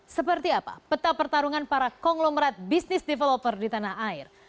seperti apa peta pertarungan para konglomerat bisnis developer di tanah air